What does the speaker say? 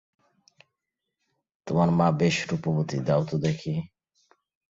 তোমার মা বেশ রূপবতী, দাও তো দেখি।